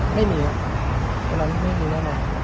ไม่มีมันนั้นไม่มีแน่